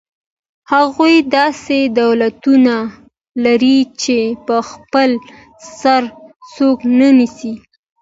هغوی داسې دولتونه لري چې په خپل سر څوک نه نیسي.